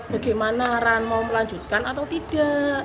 bagaimana ran mau melanjutkan atau tidak